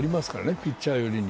ピッチャー寄りに。